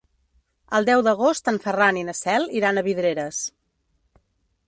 El deu d'agost en Ferran i na Cel iran a Vidreres.